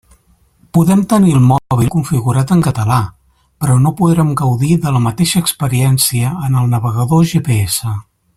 Podem tenir el mòbil configurat en català, però no podrem gaudir de la mateixa experiència en el navegador GPS.